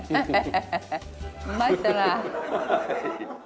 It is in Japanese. ハハハ。